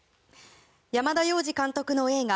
山田洋次監督の映画